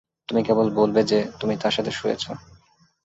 তুমি কেবল বলবে যে, তুমি তার সাথে শুয়েছ।